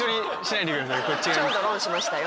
ちょうどロンしましたよ。